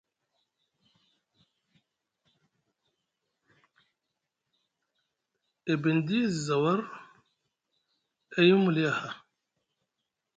E bindi e zi zawar, e yimi muli aha.